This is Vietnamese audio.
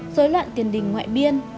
dối loạn tiền đình ngoại biên